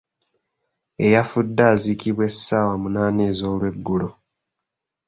Eyafudde azikibwa essaawa munaana ez'olweggulo.